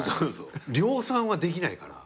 量産はできないから。